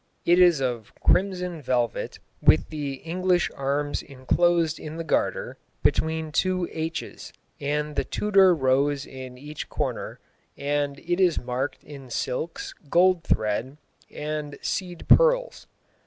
It is of crimson velvet, with the English arms enclosed in the Garter, between two H's, and the Tudor rose in each corner, and it is worked in silks, gold thread, and seed pearls.